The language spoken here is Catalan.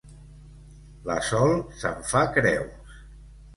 La Sol se'n fa creus.